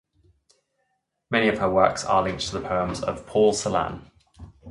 Many of her works are linked to the poems of Paul Celan.